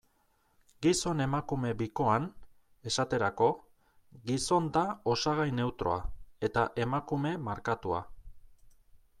Gizon-emakume bikoan, esaterako, gizon da osagai neutroa, eta emakume markatua.